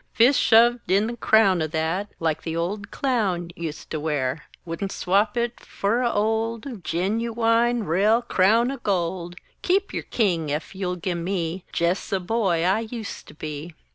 Fist shoved in the crown o' that Like the old Clown ust to wear. Wouldn't swop it fer a' old Gin u wine raal crown o' gold! Keep yer King ef you'll gim me Jes the boy I ust to be!